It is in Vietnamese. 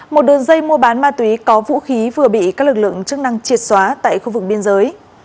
một đường dây mua bán ma túy có vũ khí vừa bị các lực lượng chức năng triệt xóa tại khu vực biên giới